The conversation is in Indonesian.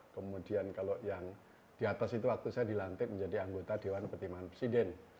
kemudian kalau yang di atas itu waktu saya dilantik menjadi anggota dewan pertimbangan presiden